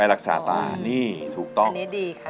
รักษาตานี่ถูกต้องอันนี้ดีค่ะ